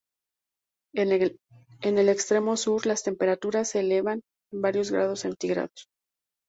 En el extremo sur las temperaturas se elevan en varios grados centígrados.